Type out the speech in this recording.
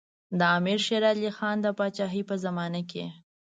د امیر شېر علي خان د پاچاهۍ په زمانه کې.